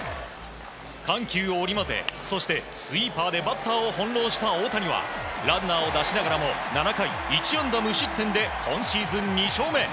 緩急を織り交ぜそしてスイーパーでバッターをほんろうした大谷はランナーを出しながらも７回１安打無失点で今シーズン２勝目。